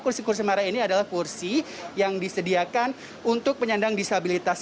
kursi kursi merah ini adalah kursi yang disediakan untuk penyandang disabilitas